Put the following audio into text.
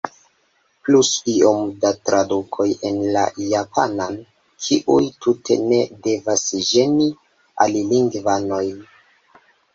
Plus iom da tradukoj en la japanan, kiuj tute ne devas ĝeni alilingvanojn.